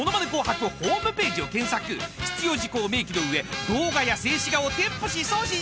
［必要事項を明記の上動画や静止画を添付し送信するだけ］